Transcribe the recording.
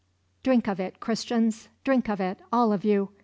Drink of it, Christians; drink of it, all of you!